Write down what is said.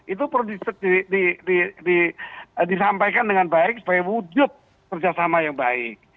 itu perlu disampaikan dengan baik sebagai wujud kerjasama yang baik